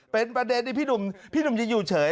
เป็นประเด็นที่พี่หนุ่มพี่หนุ่มจะอยู่เฉย